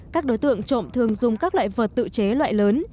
các đối tượng trộm thường dùng các loại vật tự chế loại lớn